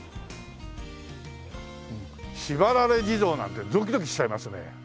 「しばられ地蔵」なんてドキドキしちゃいますね。